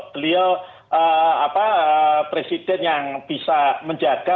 beliau presiden yang bisa menjaga